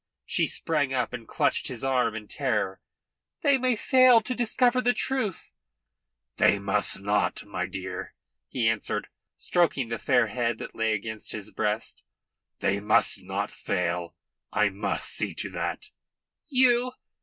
She sprang up and clutched his arm in terror. "They may fail to discover the truth." "They must not, my dear," he answered her; stroking the fair head that lay against his breast. "They must not fail. I must see to that." "You? You?"